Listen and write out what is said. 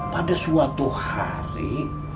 pada suatu hari